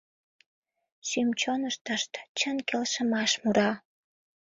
Шӱм-чоныштышт чын келшымаш мура!..